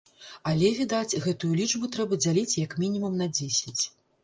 Але, відаць, гэтую лічбу трэба дзяліць як мінімум на дзесяць.